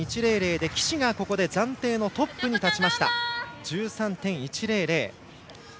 で岸が暫定トップに立ちました。１３．１００。